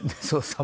そう。